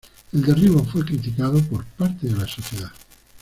El derribo fue criticado por parte de la sociedad.